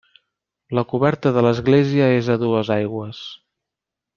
La coberta de l'església és a dues aigües.